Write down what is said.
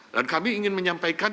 dan kami ingin menyampaikan